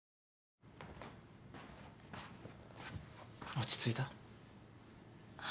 落ち着いた？